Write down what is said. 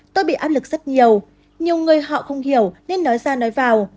tôi bị áp lực rất nhiều nhiều người họ không hiểu nên nói ra nói vào